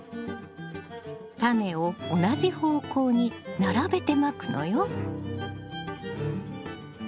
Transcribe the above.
タネを同じ方向に並べてまくのよ。